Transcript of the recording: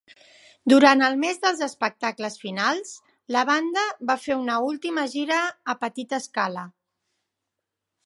Durant el mes dels espectacles finals, la banda va fer una última gira a petita escala.